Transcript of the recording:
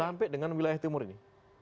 sampai dengan wilayah timur ini